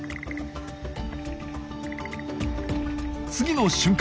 次の瞬間。